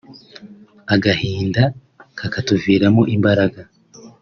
Agahinda kakatuviramo imbaraga